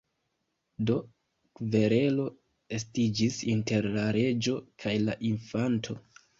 Do, kverelo estiĝis inter la reĝo kaj la Infanto.